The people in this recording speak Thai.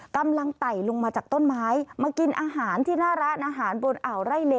ไต่ลงมาจากต้นไม้มากินอาหารที่หน้าร้านอาหารบนอ่าวไร่เล